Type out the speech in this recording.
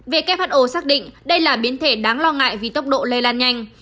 who xác định đây là biến thể đáng lo ngại vì tốc độ lây lan nhanh